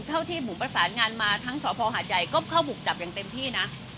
เท่าที่บุ๋มประสานงานมาทั้งสพหาดใหญ่ก็เข้าบุกจับอย่างเต็มที่นะ